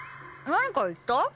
何か言った？